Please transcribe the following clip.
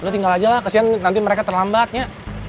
tinggal aja lah kesian nanti mereka terlambat ya